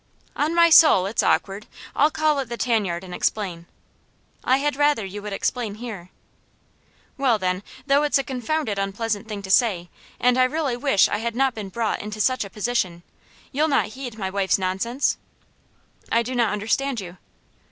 "On my soul, it's awkward I'll call at the tan yard and explain." "I had rather you would explain here." "Well then, though it's a confounded unpleasant thing to say and I really wish I had not been brought into such a position you'll not heed my wife's nonsense?" "I do not understand you."